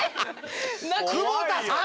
久保田さん！